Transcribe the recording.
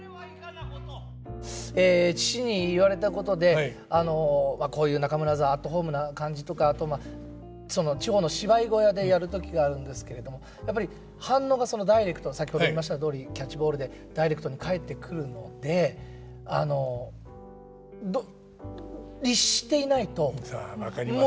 父に言われたことでこういう中村座アットホームな感じとかあと地方の芝居小屋でやる時があるんですけれどもやっぱり反応がダイレクト先ほど言いましたとおりキャッチボールでダイレクトに返ってくるのであのああ分かりますね。